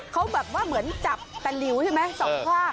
เขาแบบว่าเหมือนจับแต่หลิวใช่ไหมสองข้าง